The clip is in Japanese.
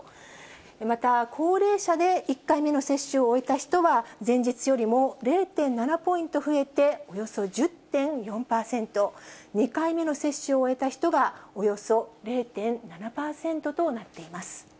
また高齢者で１回目の接種を終えた人は、前日よりも０．７ポイント増えておよそ１０．４％、２回目の接種を終えた人がおよそ０．７％となっています。